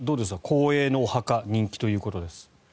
公営のお墓が人気ということです。